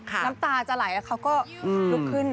น้ำตาจะไหลแล้วเขาก็ลุกขึ้น